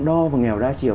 đo và nghèo đa chiều